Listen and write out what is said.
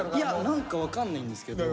何か分かんないですけど。